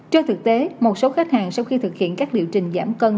trên thực tế một số khách hàng sau khi thực hiện các điều trình giảm cân